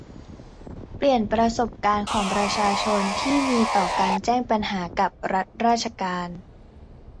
เปลี่ยนประสบการณ์ของประชาชนที่มีต่อการแจ้งปัญหากับรัฐราชการ